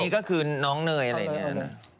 อันนี้ก็คือน้องเนยอะไรอย่างนี้